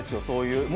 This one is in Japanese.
そういう。